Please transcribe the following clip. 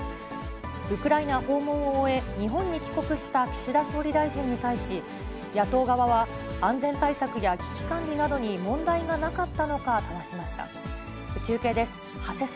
ウクライナ訪問を終え、日本に帰国した岸田総理大臣に対し、野党側は安全対策や危機管理などに問題がなかったのか、ただしました。